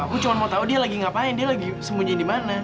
aku cuma mau tahu dia lagi ngapain dia lagi sembunyiin di mana